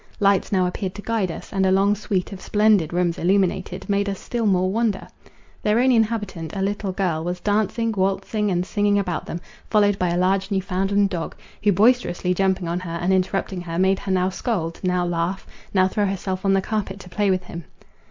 Lights now appeared to guide us; and a long suite of splendid rooms illuminated, made us still more wonder. Their only inhabitant, a little girl, was dancing, waltzing, and singing about them, followed by a large Newfoundland dog, who boisterously jumping on her, and interrupting her, made her now scold, now laugh, now throw herself on the carpet to play with him.